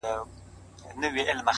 پاگل دي د غم سونډې پر سکروټو ايښي-